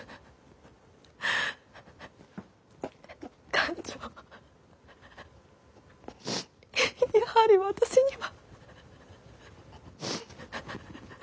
艦長やはり私には。